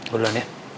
gue duluan ya